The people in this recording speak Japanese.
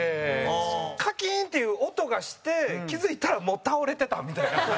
カキーンっていう音がして気付いたら倒れてたみたいな。